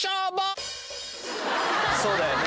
そうだよね。